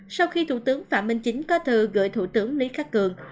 sau khi thủ tướng phạm minh chính có thừa gửi thủ tướng lý khá cường